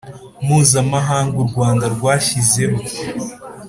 mpuzamahanga u Rwanda rwashyizeho